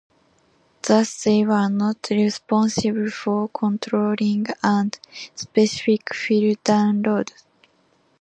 Thus they were not responsible for controlling any specific file downloads.